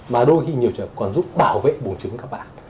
mà đôi khi nhiều trường hợp còn giúp bảo vệ buồn chứng của các bạn